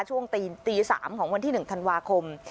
ช่วงตี๓ของวันที่๑ธันวาคม